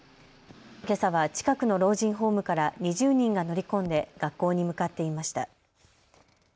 けさは近くの老人ホームから２０人が乗り込んで学校に向かっていました。